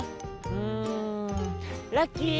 うんラッキー！